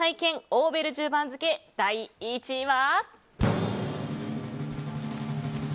オーベルジュ番付の第１位は。